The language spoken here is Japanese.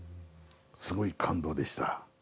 すごい感動でした。